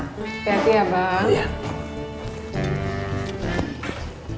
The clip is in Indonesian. hati hati ya bang